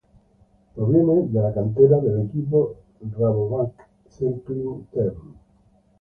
Proviene de la cantera del equipo Rabobank Cycling Team.